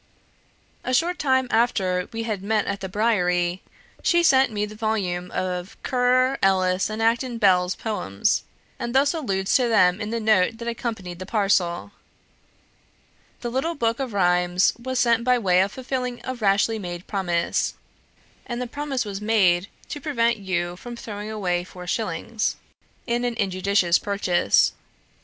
A short time after we had met at the Briery, she sent me the volume of Currer, Ellis, and Acton Bell's poems; and thus alludes to them in the note that accompanied the parcel: "The little book of rhymes was sent by way of fulfilling a rashly made promise; and the promise was made to prevent you from throwing away four shillings in an injudicious purchase.